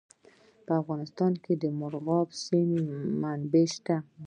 په افغانستان کې د مورغاب سیند منابع شته.